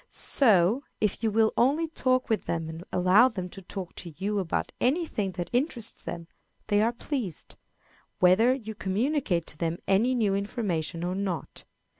So, if you will only talk with them and allow them to talk to you about any thing that interests them, they are pleased, whether you communicate to them any new information or not.